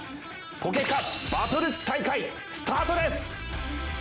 ポケカバトル大会スタートです！